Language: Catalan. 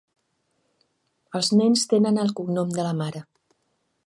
Els nens tenen el cognom de la mare.